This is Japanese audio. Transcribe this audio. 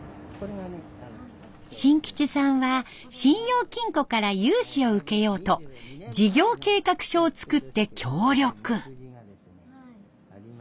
新吉さんは信用金庫から融資を受けようと事業計画書を作って協力。